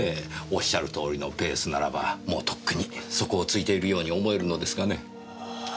おっしゃるとおりのペースならばもうとっくに底をついているように思えるのですがね。